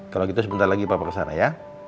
kalau gitu sebentar lagi papa kesana ya